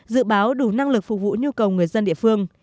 dự báo đủ năng lực phục vụ nhu cầu người dân địa phương